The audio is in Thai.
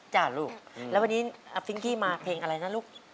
จ้ะลูกแล้ววันนี้ฟิงกี้มาเพลงอะไรนะลูก